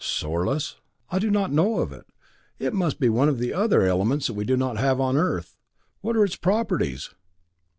"Sorlus? I do not know of it it must be one of the other elements that we do not have on Earth. What are its properties?"